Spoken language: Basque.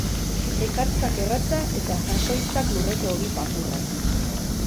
Ekartzak erratza eta jasoitzak lurreko ogi papurrak.